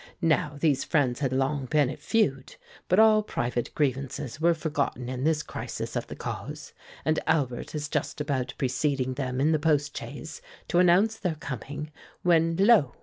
Now these friends had long been at feud, but all private grievances were forgotten in this crisis of the cause, and Albert is just about preceding them in the post chaise, to announce their coming, when, lo!